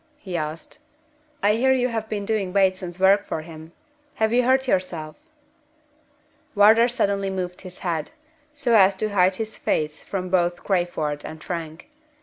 he asked. "I hear you have been doing Bateson's work for him. Have you hurt yourself?" Wardour suddenly moved his head, so as to hide his face from both Crayford and Frank.